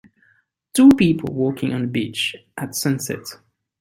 Two people walking on the beach at sunset.